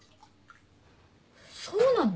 そうなの？